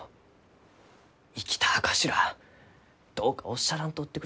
生きた証しらあどうかおっしゃらんとってください。